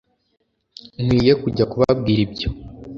nkwiye kujya kubabwira ibyo